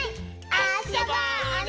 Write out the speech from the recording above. あそぼうね！